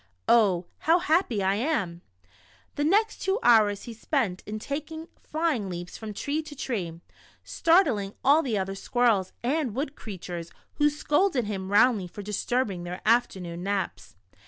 Oh, how happy I am." The next two hours he spent in taking flying leaps from tree to tree, startling all the other squirrels and wood creatures, who scolded him roundly for disturbing their afternoon naps.